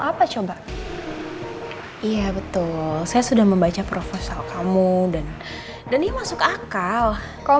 apa coba iya betul saya sudah membaca proposal kamu dan dan ini masuk akal kalau